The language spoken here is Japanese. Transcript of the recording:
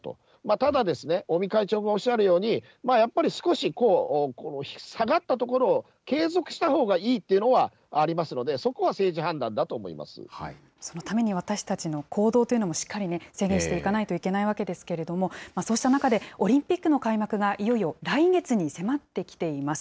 ただ、尾身会長もおっしゃるように、少しこう、下がったところを継続したほうがいいというのはありますので、そこは政そのために、私たちの行動というのもしっかり制限していかないといけないわけですけれども、そうした中でオリンピックの開幕がいよいよ来月に迫ってきています。